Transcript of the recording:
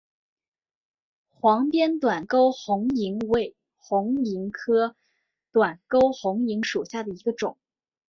黄边短沟红萤为红萤科短沟红萤属下的一个种。